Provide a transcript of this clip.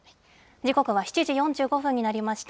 時刻は７時４５分になりました。